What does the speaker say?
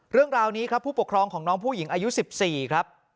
เรื่องราวนี้ครับผู้ปกครองของน้องผู้หญิงอายุ๑๔ครับ